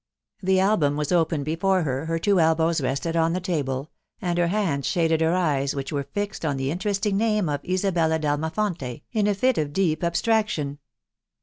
The album was open before her, her two elbows rested on the table, and her hands shaded her eyes, which were fixed on the interesting name of Isabella d'Almafonte, in a fit of deep abstraction.